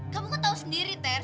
kamu kan tau sendiri ter